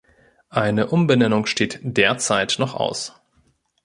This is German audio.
Eine Umbenennung steht derzeit noch aus.